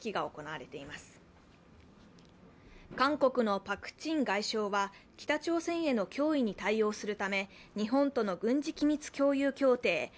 韓国のパク・チン外相は北朝鮮への脅威に対応するため日本との軍事機密共有協定